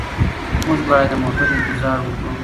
موږ باید د موټر انتظار وکړو.